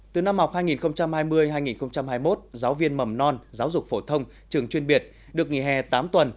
từ năm học hai nghìn hai mươi hai nghìn hai mươi một giáo viên mầm non giáo dục phổ thông trường chuyên biệt được nghỉ hè tám tuần